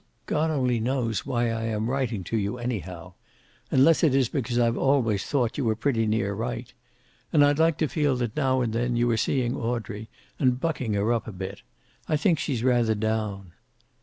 "God only knows why I am writing to you, anyhow unless it is because I've always thought you were pretty near right. And I'd like to feel that now and then you are seeing Audrey, and bucking her up a bit. I think she's rather down.